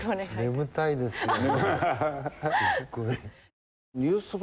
眠たいですよね。